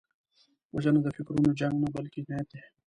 وژنه د فکرونو جنګ نه، بلکې جنایت دی